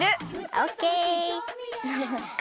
オッケー！